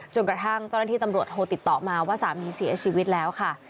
จนกระทั่งเจ้าหน้าที่ตำรวจโทรติดต่อมาว่าสามีเสียชีวิตแล้วค่ะ